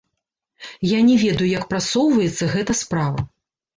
Я не ведаю, як прасоўваецца гэта справа.